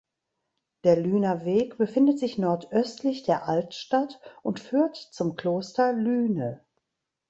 Der Lüner Weg befindet sich nordöstlich der Altstadt und führt zum Kloster Lüne.